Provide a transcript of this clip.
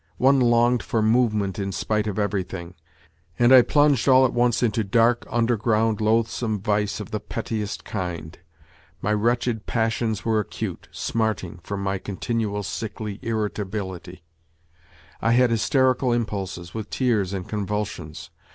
One longed for movement in spite of everything, and I plunged all at once into dark, underground, loathsome vice of the pettiest kind. My wretched passions were acute, smarting, from my continual, sickly irritability. I had hysterical impulses, with tears and convulsions.